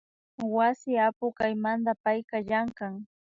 Wasi apuk kaymanta payka llankan